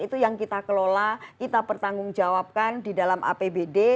itu yang kita kelola kita pertanggungjawabkan di dalam apbd